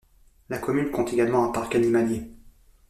La commune compte également un parc animalier.